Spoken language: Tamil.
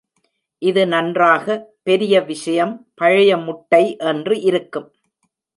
இது நன்றாக, பெரிய விஷயம், பழைய முட்டை என்று இருக்கும்.